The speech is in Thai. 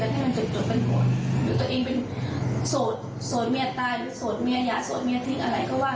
อยู่ตัวเองเป็นโสดเมียตายโสดเมียหยาโสดเมียทิ้งอะไรก็ว่าไป